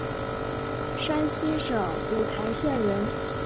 山西省五台县人。